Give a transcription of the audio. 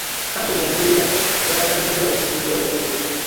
Kkampuni engwira yapataniddwa okuzimba oluguudo.